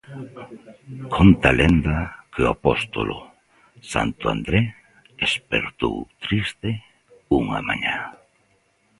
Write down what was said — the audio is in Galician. Conta a lenda que o apóstolo santo André espertou triste unha mañá.